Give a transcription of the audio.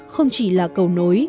không chỉ là cầu nối